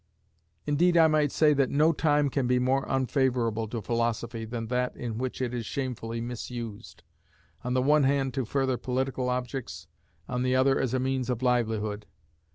Indeed I might say that no time can be more unfavourable to philosophy than that in which it is shamefully misused, on the one hand to further political objects, on the other as a means of livelihood.